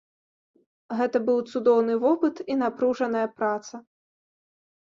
Гэта быў цудоўны вопыт і напружаная праца.